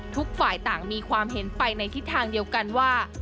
ทุกฝ่ายต่างมีความเห็นไปในทิศทางเดียวกันว่า